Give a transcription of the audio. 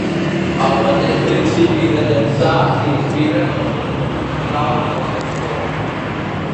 El mateix principi de llançar s'inspira en el gest ancestral del caçador